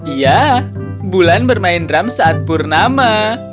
iya bulan bermain drum saat purnama